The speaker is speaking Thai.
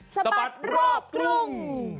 สบัดรอบกลุ่ม